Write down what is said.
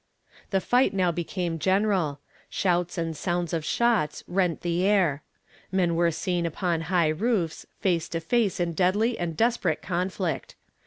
The fight now became general. Shouts and sounds of shots rent the air. Men were seen upon high roofs, face to face in deadly and desperate conflict.